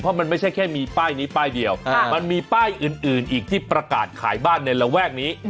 เพราะมันไม่ใช่แค่มีป้ายนี้ป้ายเดียวมันมีป้ายอื่นอีกที่ประกาศขายบ้านในระแวกนี้